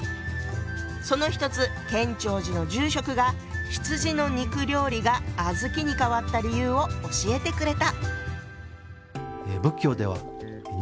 その一つ建長寺の住職が羊の肉料理が小豆に変わった理由を教えてくれた。